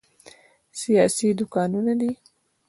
سیاسي دوکانونه دي.